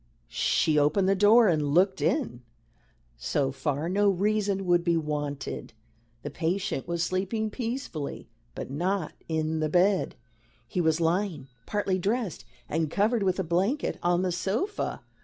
She opened the door and looked in. So far, no reason would be wanted. The patient was sleeping peacefully. But not in the bed. He was lying, partly dressed and covered with a blanket, on the sofa.